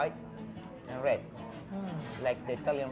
itu adalah dompeta italian